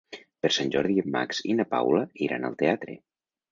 Per Sant Jordi en Max i na Paula iran al teatre.